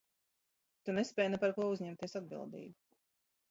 Tu nespēj ne par ko uzņemties atbildību.